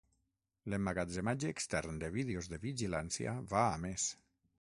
L'emmagatzematge extern de vídeos de vigilància va a més.